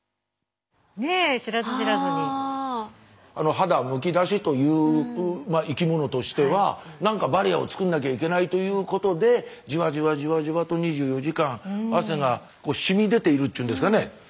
肌むき出しという生き物としてはなんかバリアを作んなきゃいけないということでじわじわじわじわと２４時間汗がしみ出ているっちゅうんですかね。